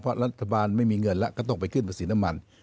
เพราะรัฐบาลไม่มีเงินแล้วก็ต้องไปขึ้นภาษีน้ำมัน